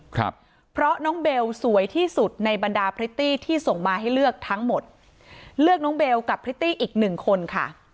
ครับเพราะน้องเบลสวยที่สุดในบรรดาพริตตี้ที่ส่งมาให้เลือกทั้งหมดเลือกน้องเบลกับพริตตี้อีกหนึ่งคนค่ะ